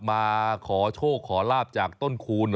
มาขอโชคขอลาบจากต้นคูณ